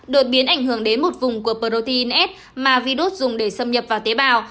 đột biến ảnh hưởng đến một vùng của protein s mà virus dùng để xâm nhập vào tế bào